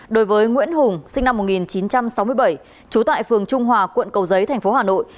đối với nguyễn hùng sinh năm một nghìn chín trăm sáu mươi bảy trú tại phường trung hòa quận cầu giấy thành phố hà nội